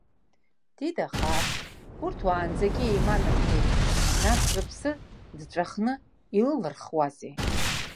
Дида хаас, урҭ уанӡагьы еиман рҳәеит, нас рыԥсы дҵәахны илылырхуазеи.